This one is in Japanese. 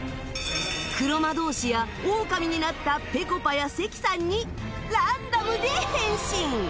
黒魔道士やオオカミになったぺこぱや関さんにランダムで変身